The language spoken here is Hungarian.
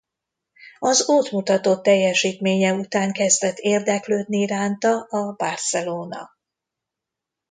Az ott mutatott teljesítménye után kezdett érdeklődni iránta a Barcelona.